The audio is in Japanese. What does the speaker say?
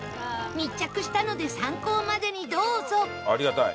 密着したので参考までにどうぞ